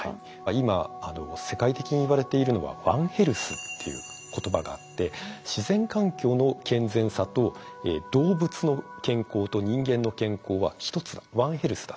今世界的に言われているのは「ＯｎｅＨｅａｌｔｈ」っていう言葉があって自然環境の健全さと動物の健康と人間の健康は１つだ。